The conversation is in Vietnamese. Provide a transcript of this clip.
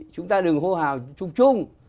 chúng ta đừng hô hào chung chung